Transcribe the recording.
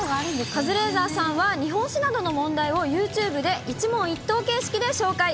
カズレーザーさんは、日本史などの問題をユーチューブで一問一答形式で紹介。